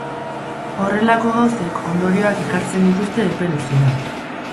Horrelako gauzek ondorioak ekartzen dituzte epe luzera.